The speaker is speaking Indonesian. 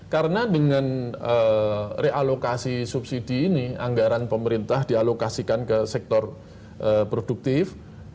karena dengan realokasi subsidi ini anggaran pemerintah dialokasikan ke sektor produktif